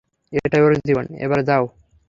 এটাই ওর জীবন, এবার যাও।